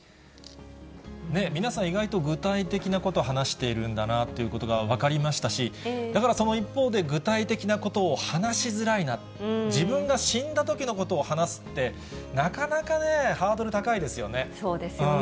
皆さん、意外と具体的なこと話しているんだなということが分かりましたし、だからその一方で、具体的なことを話しづらいな、自分が死んだときのことを話すって、なかなかね、ハードル高いですよね。